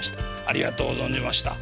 ありがとう存じました。